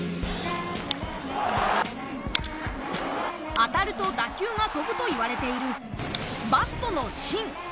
当たると打球が飛ぶと言われているバットの芯。